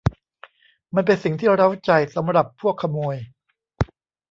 มันเป็นสิ่งที่เร้าใจสำหรับพวกขโมย